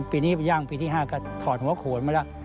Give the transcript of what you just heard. ปีนี้ไปย่างปีที่๕ก็ถอดหัวโขนมาแล้ว